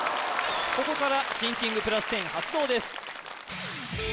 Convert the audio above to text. ここからシンキング＋１０発動です・